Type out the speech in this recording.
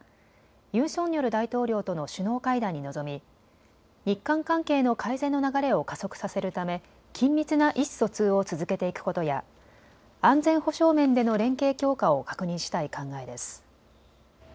ユン・ソンニョル大統領との首脳会談に臨み日韓関係の改善の流れを加速させるため緊密な意思疎通を続けていくことや安全保障面での連携強化を確認したい考えです。